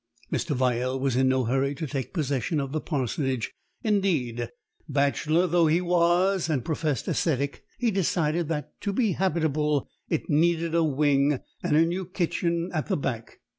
Mr. Vyell was in no hurry to take possession of the Parsonage; indeed, bachelor though he was, and professed ascetic, he decided that, to be habitable, it needed a wing and a new kitchen at the back.